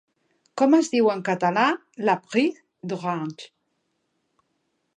Com es diu en català La prise d'Orange?